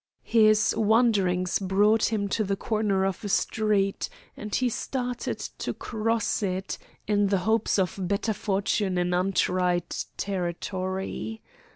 His wanderings brought him to the corner of a street, and he started to cross it, in the hope of better fortune in untried territory.